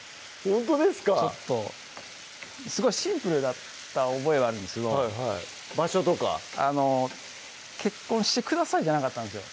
ちょっとすごいシンプルだった覚えはあるんですけど場所とかあの「結婚してください」じゃなかったんですよ